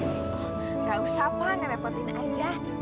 oh nggak usah pak nge repotin aja